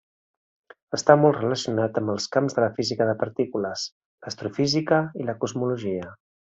Està molt relacionat amb els camps de la física de partícules, l'astrofísica i la cosmologia.